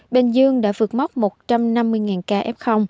bình dương đã vượt mốc một trăm năm mươi ca f